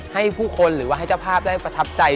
ให้ผู้คนหรือว่าให้เจ้าภาพได้ประทับใจ